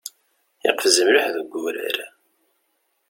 Iqfez mliḥ deg urar.